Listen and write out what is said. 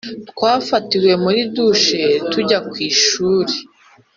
twafatiwe muri douche tujya ku ishuri.